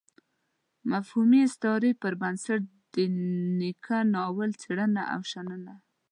مفهومي استعارې پر بنسټ د نيکه ناول څېړنه او شننه.